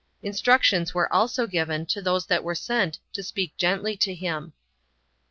Instructions were also given to those that were sent to speak gently to him. 2.